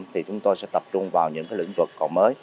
thì chúng tôi sẽ tập trung vào những lĩnh vực còn mới